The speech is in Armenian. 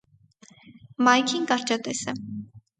Մայքին կարճատես է։